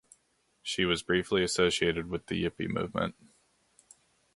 She was briefly associated with the Yippie movement.